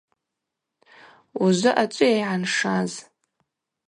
Ужвы ачӏвыйа йгӏаншаз?